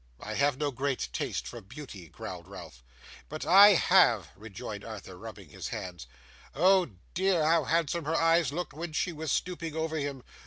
'I have no great taste for beauty,' growled Ralph. 'But I have,' rejoined Arthur, rubbing his hands. 'Oh dear! How handsome her eyes looked when she was stooping over him!